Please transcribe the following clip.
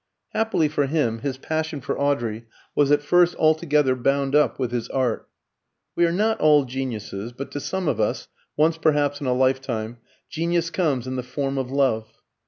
Happily for him, his passion for Audrey was at first altogether bound up with his art. We are not all geniuses, but to some of us, once perhaps in a lifetime, genius comes in the form of love.